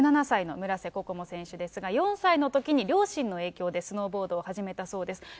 １７歳の村瀬心椛選手ですが、４歳のときに両親の影響でスノーボードを始めたそうです。